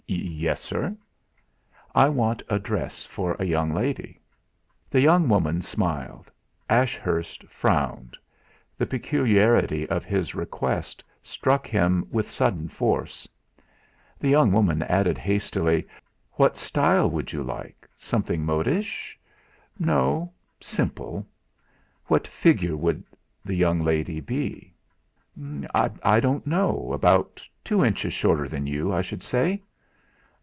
"Yes, sir?" "I want a dress for a young lady." The young woman smiled. Ashurst frowned the peculiarity of his request struck him with sudden force. The young woman added hastily: "What style would you like something modish?" "No. Simple." "What figure would the young lady be?" "I don't know; about two inches shorter than you, I should say."